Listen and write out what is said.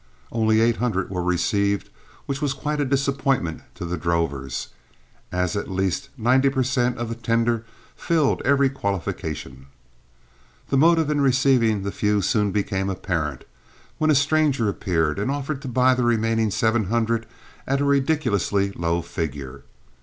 Only eight hundred were received, which was quite a disappointment to the drovers, as at least ninety per cent of the tender filled every qualification. The motive in receiving the few soon became apparent, when a stranger appeared and offered to buy the remaining seven hundred at a ridiculously low figure.